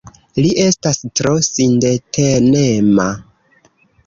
Li estas tro sindetenema.